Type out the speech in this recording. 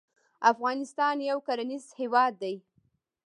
افغانستان یو کرنیز هیواد دی